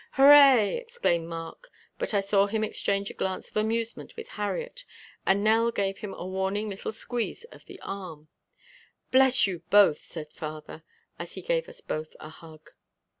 "Hurrah!" exclaimed Mark, but I saw him exchange a glance of amusement with Harriet, and Nell gave him a warning little squeeze of the arm. "Bless you both," said father, as he gave us both a hug.